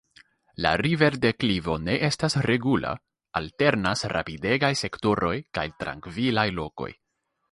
La riverdeklivo ne estas regula – alternas rapidegaj sektoroj kaj trankvilaj lokoj.